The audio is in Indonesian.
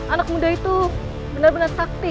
anak muda itu benar benar sakti